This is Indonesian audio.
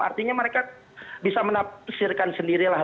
artinya mereka bisa menafsirkan sendirilah